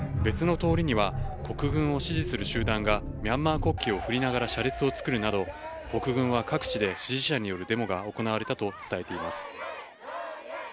一方で別の通りには国軍を支持する集団がミャンマー国旗を振りながら車列を作るなど国軍は各地で支持者によるデモが行われたと伝えています。